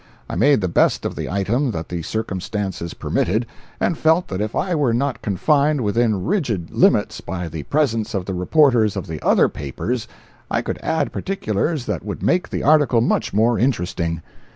I made the best of the item that the circumstances permitted, and felt that if I were not confined within rigid limits by the presence of the reporters of the other papers I could add particulars that would make the article much more interesting.